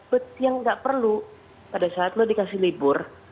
but yang gak perlu pada saat lo dikasih libur